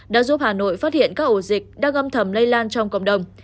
đã giúp hà nội phát hiện các ổ dịch đang gâm thầm lây lan trong cộng đồng